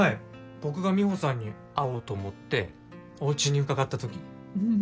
僕が美帆さんに会おうと思っておうちに伺ったときに。